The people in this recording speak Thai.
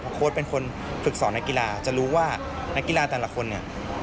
โค้ดเป็นคนฝึกสอนนักกีฬาจะรู้ว่านักกีฬาแต่ละคนเนี่ย